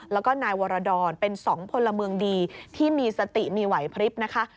แล้วก็นายวรดรเป็น๒พลเมืองดีที่มีสติมีไหวพลิบนะคะ